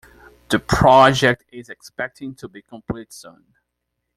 The project is expecting to be complete soon.